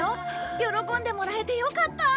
喜んでもらえてよかった！